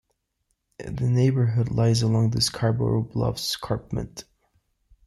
The neighbourhood lies along the Scarborough Bluffs escarpment.